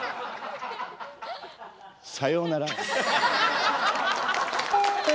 さようなら。